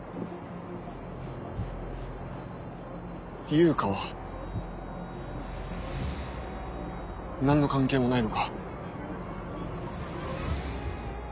悠香は？何の関係もないのか？